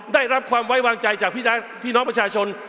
ได้รับความไว้วางใจจากพี่น้องประชาชน